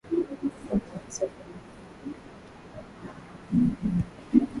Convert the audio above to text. Mfumo wa kisiasa wa Zanzibar ni tofauti kidogo na ule uliopo bara